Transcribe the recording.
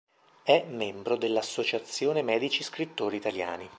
È membro dell’"Associazione Medici Scrittori Italiani".